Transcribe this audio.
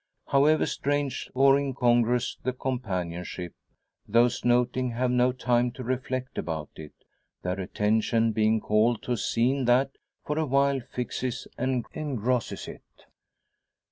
However strange or incongruous the companionship, those noting have no time to reflect about it; their attention being called to a scene that, for a while, fixes and engrosses it.